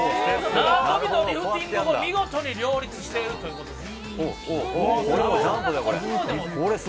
縄跳びとリフティング、見事に両立しているということです。